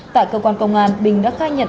tại cơ quan công an bình đã khai nhật